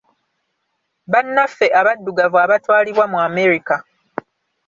Bannaffe Abaddugavu abatwalibwa mu America.